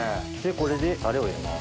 これでタレを入れます。